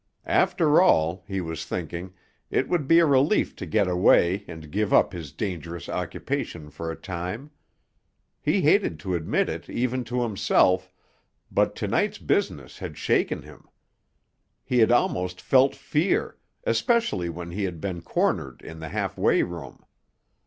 After all, he was thinking, it would be a relief to get away and give up his dangerous occupation for a time. He hated to admit it even to himself, but to night's business had shaken him. He had almost felt fear, especially when he had been cornered in the halfway room.